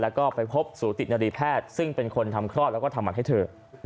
แล้วก็ไปพบสูตินรีแพทย์ซึ่งเป็นคนทำคลอดแล้วก็ทำมันให้เธอ